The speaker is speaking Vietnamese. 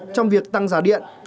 trong việc tăng giá điện